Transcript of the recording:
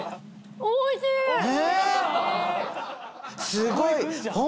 すごい！